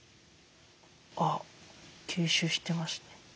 あ吸収してますね。